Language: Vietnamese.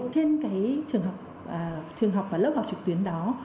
trên trường học và lớp học trực tuyến đó